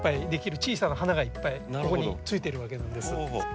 小さな花がいっぱいここについてるわけなんです。